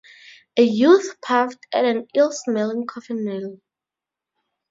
A youth puffed at an ill-smelling coffin nail.